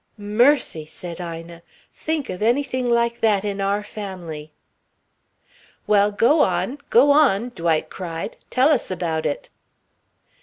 "Mercy," said Ina. "Think of anything like that in our family." "Well, go on go on!" Dwight cried. "Tell us about it."